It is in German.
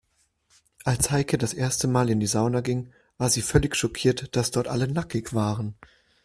Als Heike das erste Mal in die Sauna ging, war sie völlig schockiert, dass dort alle nackig waren.